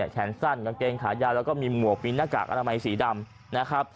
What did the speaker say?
แขนสั้นกางเกงขายาวแล้วก็มีหมวกมีหน้ากากอนามัยสีดำนะครับ